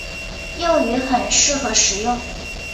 幼鱼很适合食用。